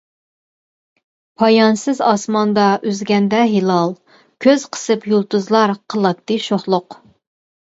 پايانسىز ئاسماندا ئۈزگەندە ھىلال، كۆز قىسىپ يۇلتۇزلار قىلاتتى شوخلۇق.